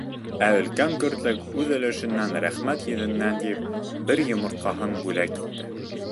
Ә өлкән көртлөк үҙ өлөшөнән, рәхмәт йөҙөнән тип, бер йомортҡаһын бүлә к итте.